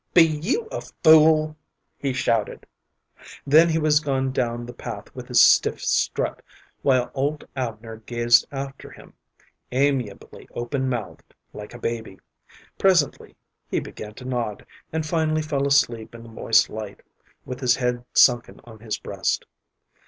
"Be you a fool?" he shouted. Then he was gone down the path with his stiff strut, while old Abner gazed after him, amiably open mouthed like a baby. Presently he began to nod, and finally fell asleep in the moist light, with his head sunken on his breast.